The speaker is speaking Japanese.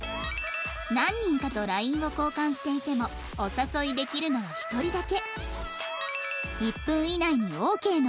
何人かと ＬＩＮＥ を交換していてもお誘いできるのは１人だけ